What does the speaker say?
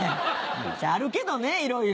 あるけどねいろいろ。